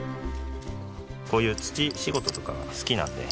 こういう土仕事とかが好きなので。